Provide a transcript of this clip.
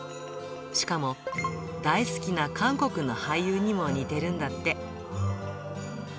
しかも、大好きな韓国の俳優にも似てるんだって。